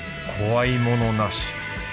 怖いものなし。